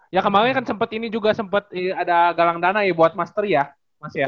ya kemarin kan sempat ini juga sempat ada galang dana ya buat master ya mas ya